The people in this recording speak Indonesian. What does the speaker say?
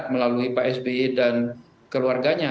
melalui pak sby dan keluarganya